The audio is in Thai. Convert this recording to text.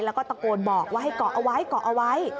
แล้วก็ตะโกนบอกว่าให้เกาะเอาไว้เกาะเอาไว้